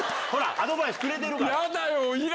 アドバイスくれてるから。